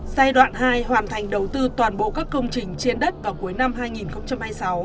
giai đoạn hai hoàn thành đầu tư toàn bộ các công trình trên đất vào cuối năm hai nghìn hai mươi sáu